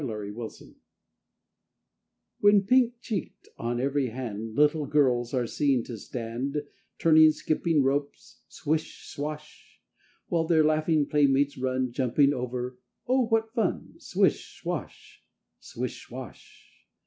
ANOTHER SURE SIGN When pink cheeked on every hand Little girls are seen to stand Turning skipping ropes, swish swash! While their laughing playmates run Jumping over, oh, what fun! _Swish swash! Swish swash!